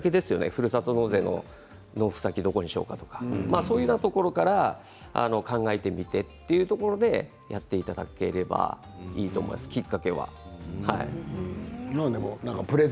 ふるさと納税の納付先をどこにしようとかそういうところから考えてみてというところでやっていただければいいと思います、きっかけは。